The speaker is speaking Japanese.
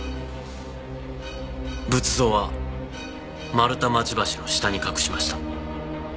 仏像は丸太町橋の下に隠しました。